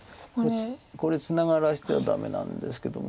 これツナがらせてはダメなんですけども。